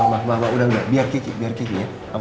udah mamah udah enggak biar kiki biar kiki ya